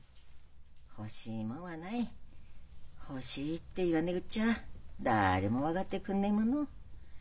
欲しいもんはない欲しいって言わねくっちゃ誰も分がってくんねえもの。